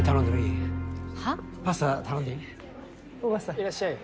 いらっしゃい。